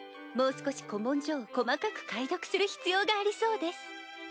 もう少し古文書を細かく解読する必要がありそうです。